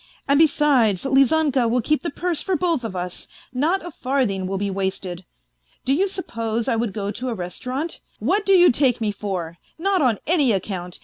And, besides, Lizanka will keep the purse for both of us : not a farthing will be wasted. Do you suppose I would go to a restaurant ? What do you take me for ? Not on any account.